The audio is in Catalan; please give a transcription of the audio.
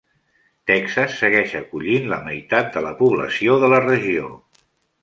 Texas segueix acollint la meitat de la població de la regió.